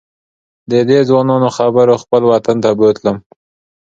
ددې ځوانانو خبرو خپل وطن ته بوتلم.